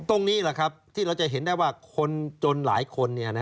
ตรงนี้แหละครับที่เราจะเห็นได้ว่าคนจนหลายคน